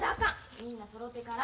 みんなそろうてから。